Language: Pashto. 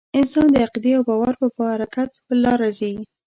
انسان د عقیدې او باور په برکت په لاره ځي.